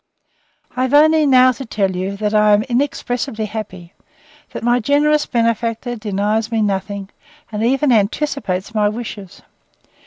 I have only now to tell you, that I am inexpressibly happy: that my generous benefactor denies me nothing, and even anticipates my wishes.